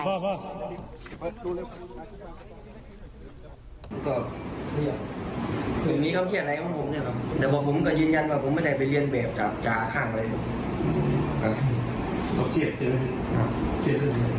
ท่ะเรื่องไหน